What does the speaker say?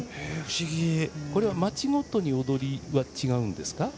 町ごとに踊りは違うんですか？